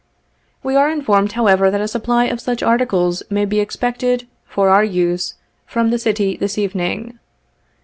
We are informed, however, that a supply of such articles may be expected, for our use, from the city, this evening.